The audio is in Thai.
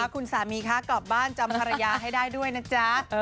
คุณสามีคะกลับบ้านจำภรรยาให้ได้ด้วยนะจ๊ะ